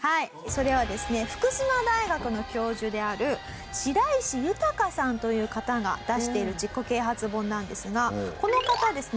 それはですね福島大学の教授である白石豊さんという方が出している自己啓発本なんですがこの方はですね